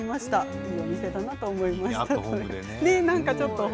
よいお店だなと思いました。